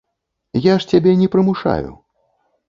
Я ж цябе не прымушаю.